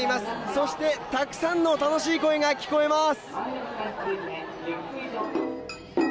そして、たくさんの楽しい声が聞こえます。